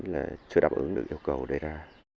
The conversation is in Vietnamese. là chưa đáp ứng được yêu cầu đề ra